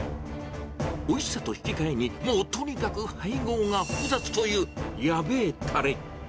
おいしさと引きかえに、もうとにかく配合が複雑というやべぇたれ。